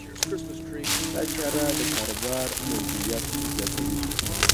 دا چاره د کاروبار مولدیت زیاتوي.